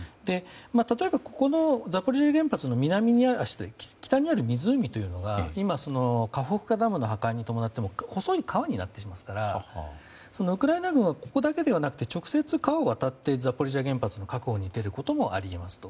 例えばここのザポリージャ原発の北にある湖というのが今、カホフカダムの破壊に伴って細い川になっていますからウクライナ軍はここだけではなく直接川を渡ってザポリージャ原発の確保に出ることもありますと。